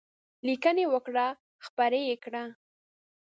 لیکنې وکړه خپرې یې کړه.